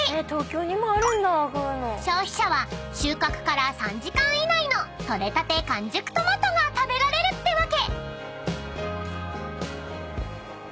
［消費者は収穫から３時間以内の取れたて完熟トマトが食べられるってわけ］